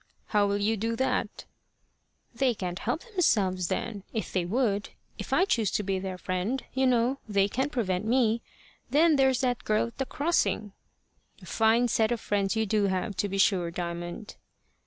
"How will you do that?" "They can't help themselves then, if they would. If I choose to be their friend, you know, they can't prevent me. Then there's that girl at the crossing." "A fine set of friends you do have, to be sure, Diamond!"